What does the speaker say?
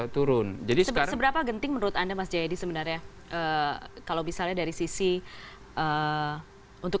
turun jadi seberapa genting menurut anda mas jayadi sebenarnya kalau misalnya dari sisi untuk